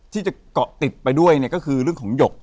ที่จะเกาะติดไปด้วยก็คือเรื่องของหยก